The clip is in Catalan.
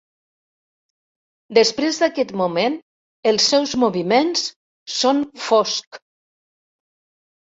Després d'aquest moment, els seus moviments són foscs.